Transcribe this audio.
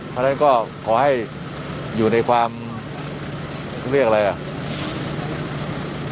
เพราะฉะนั้นก็ขอให้อยู่ในความเขาเรียกอะไรอ่ะ